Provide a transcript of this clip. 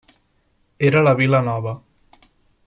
Era la vila nova.